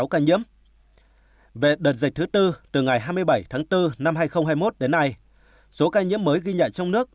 về đợt dịch thứ tư từ ngày hai mươi bảy tháng bốn năm hai nghìn hai mươi một đến nay số ca nhiễm mới ghi nhận trong nước